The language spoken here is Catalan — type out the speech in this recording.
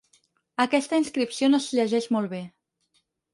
Aquesta inscripció no es llegeix molt bé.